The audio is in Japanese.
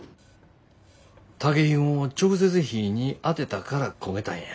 竹ひごを直接火ぃに当てたから焦げたんや。